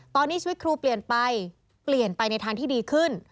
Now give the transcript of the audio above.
ตอนนี้ชีวิตครูเปลี่ยนไปเปลี่ยนไปในทางที่ดีขึ้น